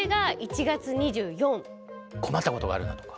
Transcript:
困ったことがあるなとか？